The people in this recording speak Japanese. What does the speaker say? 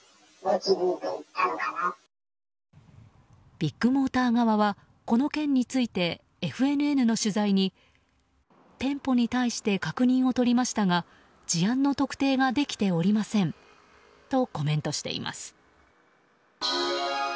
ビッグモーター側はこの件についてＦＮＮの取材に、店舗に対して確認を取りましたが事案の特定ができておりませんとコメントしています。